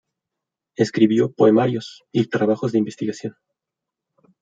Escribió poemarios y trabajos de investigación.